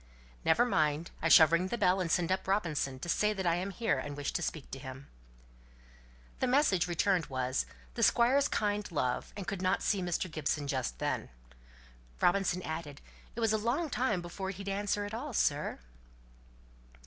"Never mind. I shall ring the bell, and send up Robinson to say that I am here, and wish to speak to him." The message returned was, "The Squire's kind love, and could not see Mr. Gibson just then." Robinson added, "It was a long time before he'd answer at all, sir."